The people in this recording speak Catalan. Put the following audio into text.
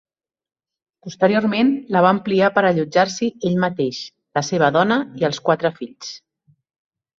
Posteriorment, la va ampliar per allotjar-s'hi ell mateix, la seva dona i els quatre fills.